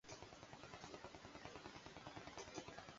sijelo mi li pali e ko jaki tan moku.